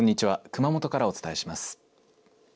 熊本からお伝えします。